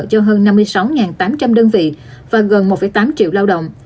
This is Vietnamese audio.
cho hơn năm mươi sáu tám trăm linh đơn vị và gần một tám triệu lao động